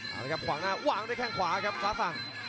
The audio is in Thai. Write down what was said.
เอาเลยครับขวางหน้าวางได้แค่งขวาครับภาษัง